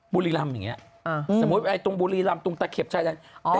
บุรีรำอย่างนี้สมมุติตรงบุรีรำตรงตะเข็บชายแดน